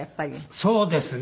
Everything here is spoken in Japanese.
そうですね。